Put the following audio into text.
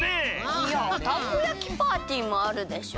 いやたこやきパーティーもあるでしょ！